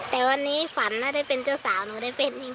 แต่วันนี้ฝันถ้าได้เป็นเจ้าสาวหนูได้เฟสนิ่ง